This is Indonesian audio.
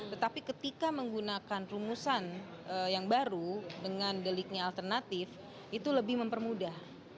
tetapi ketika menggunakan rumusan yang baru dengan deliknya alternatif itu lebih mempermudah